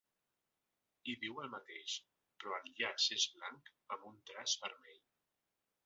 Hi diu el mateix però el llaç és blanc amb un traç vermell.